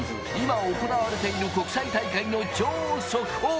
今行われている国際大会の超速報。